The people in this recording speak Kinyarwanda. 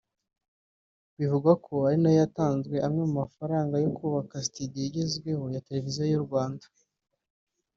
Bivugwa ko ari nayo yatanze amwe mu mafaranga yo kubaka studio igezweho ya Televiziyo y’u Rwanda